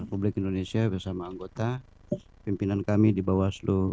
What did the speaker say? publik indonesia bersama anggota pimpinan kami di bawaslu